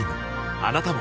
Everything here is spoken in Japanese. あなたも